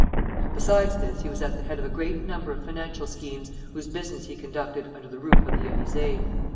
Besides this he was at the head of a great number of financial schemes, whose business he conducted under the roof of the Élysée.